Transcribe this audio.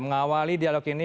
mengawali dialog ini